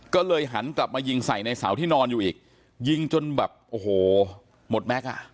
ก็เลยหันกลับมายิงใส่ในเสาที่นอนอยู่อีกยิงจนแบบโอ้โหหมดแม็กซ์อ่ะ